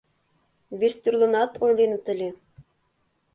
Вестӱрлынат ойленыт ыле.